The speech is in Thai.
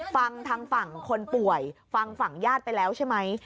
ฟังทางฝั่งคนป่วยฟังฝั่งญาติไปแล้วใช่ไหม